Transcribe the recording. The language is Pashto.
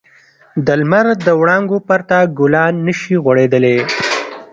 د لمر د وړانګو پرته ګلان نه شي غوړېدلی.